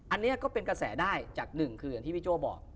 อันนี้ก็เป็นกระแสได้จากหนึ่งคืออย่างที่พี่โจ้บอก